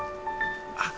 あっ